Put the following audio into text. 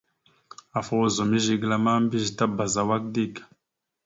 Afa ozum zigəla ma, mbiyez tabaz awak dik.